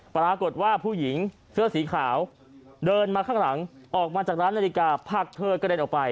ปรากฏว่าผู้หญิงเสื้อสีขาวเดินมาข้างหลังออกมาจากร้านนาฬิกาผักเธอกระเด็นออกไป